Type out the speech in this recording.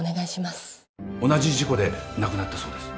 「同じ事故で亡くなったそうです」